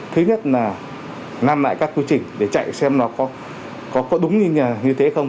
thứ nhất là làm lại các quy trình để chạy xem nó có đúng như thế không